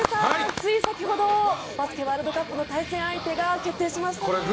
つい先ほどバスケワールドカップの対戦相手が決定しましたね。